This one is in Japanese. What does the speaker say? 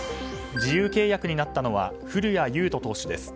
自由契約になったのは古谷優人投手です。